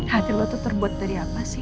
hati lu tuh terbuat dari apa sih